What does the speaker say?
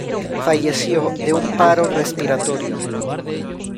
Falleció de un paro respiratorio.